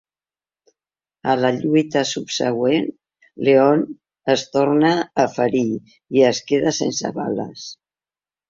A la lluita subsegüent, Leon es torna a ferir, i es queda sense bales.